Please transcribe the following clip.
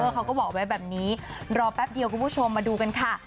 เขาก็บอกไว้แบบนี้รอแป๊บเดียวคุณผู้ชมมาดูกันค่ะ